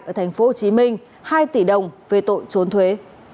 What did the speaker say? ở thành phố hồ chí minh hai tỷ đồng về tội trốn thuế